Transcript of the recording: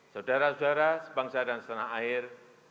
saudara saudara sebangsa dan setanah air